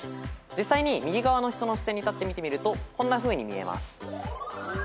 実際に右側の人の視点に立って見てみるとこんなふうに見えます。